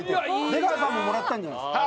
出川さんももらったんじゃないですか？